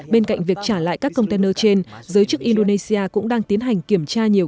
bên cạnh việc trả lại các container trên giới chức indonesia cũng đang tiến hành kiểm tra nhiều